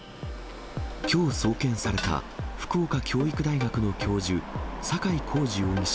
きょう送検された福岡教育大学の教授、坂井孝次容疑者